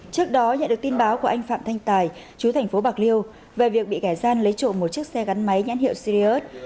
trước đó nhận được tin báo của anh phạm thanh tài chú tp bạc liêu về việc bị gẻ gian lấy trộm một chiếc xe gắn máy nhãn hiệu sirius